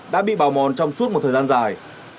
đã bị bào mòn trong suốt một thời gian dài